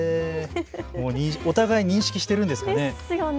お互い認識しているんですよね。